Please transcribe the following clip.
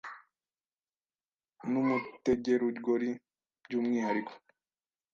n umutegerugori by umwihariko